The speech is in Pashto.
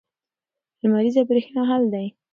لمریزه برېښنا حل دی.